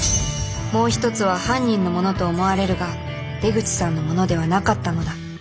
もう一つは犯人のものと思われるが出口さんのものではなかったのだ。